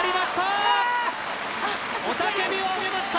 雄たけびを上げました。